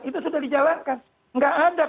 itu sudah dijalankan nggak ada